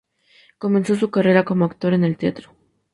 Comenzó su carrera como actor en el teatro.